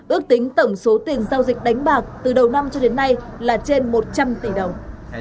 ước tính tổng số tiền giao dịch đánh bạc từ đầu năm cho đến nay là trên một trăm linh tỷ đồng